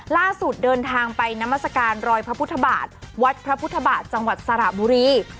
เดินทางไปนามัศกาลรอยพระพุทธบาทวัดพระพุทธบาทจังหวัดสระบุรี